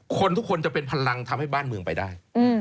คนทุกคนจะเป็นพลังทำให้บ้านเมืองไปได้